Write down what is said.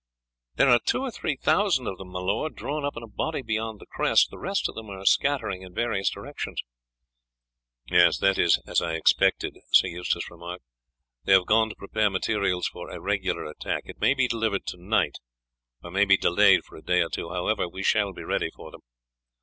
"There are two or three thousand of them, my lord, drawn up in a body beyond the crest; the rest of them are scattering in various directions." "That is as I expected," Sir Eustace remarked; "they have gone to prepare materials for a regular attack. It may be delivered to night, or may be delayed for a day or two; however, we shall be ready for them.